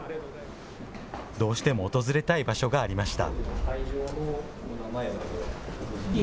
どうしても訪れたい場所がありました。